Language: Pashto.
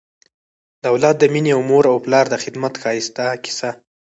د اولاد د مینې او مور و پلار د خدمت ښایسته کیسه